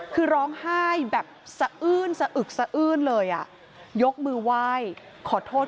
คือร้องไห้แบบสะอื้นสะอึกสะอื้นเลยอ่ะยกมือไหว้ขอโทษ